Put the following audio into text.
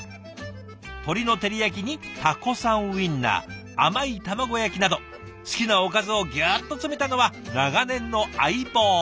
鶏の照り焼きにタコさんウインナー甘い卵焼きなど好きなおかずをギュッと詰めたのは長年の相棒。